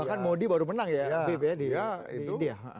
bahkan modi baru menang ya bip ya di india